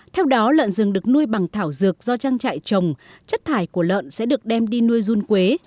theo đó lợn rừng được nuôi bằng thảo dược do trang trại trồng chất thải của lợn sẽ được đem đi nuôi run quế